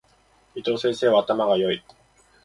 伊藤先生は頭が良い。